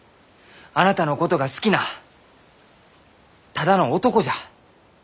あなたのことが好きなただの男じゃ！